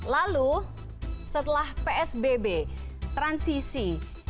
lalu setelah psbb transisi